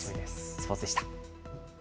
スポーツでした。